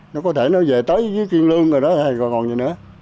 nó có thể nó về tới với kiên lương rồi đó hay còn gì nữa